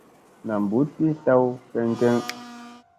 Nam mbuɗ ki tlaw keŋ keŋ.